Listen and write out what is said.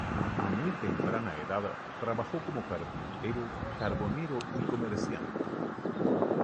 A muy temprana edad trabajó como carpintero, carbonero y comerciante.